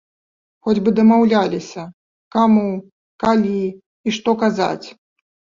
Хоць бы дамаўляліся, каму, калі і што казаць.